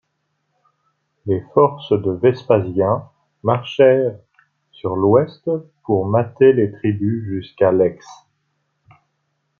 Les forces de Vespasien marchèrent sur l'Ouest pour mater les tribus jusqu'à l'Exe.